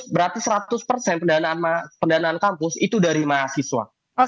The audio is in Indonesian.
berarti seratus persen pendanaan kampus itu dari mahasiswa